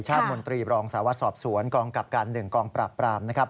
ชาติมนตรีบรองสาวสอบสวนกองกับการหนึ่งกองปราบปราม